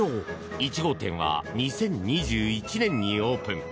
１号店は２０２１年にオープン。